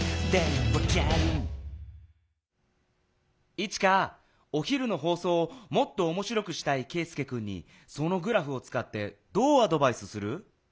イチカお昼の放送をもっとおもしろくしたいケイスケくんにそのグラフを使ってどうアドバイスする？